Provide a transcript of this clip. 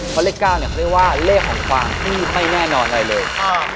เพราะเลข๙เนี่ยเขาเรียกว่าเลขของความที่ไม่แน่นอนอะไรเลย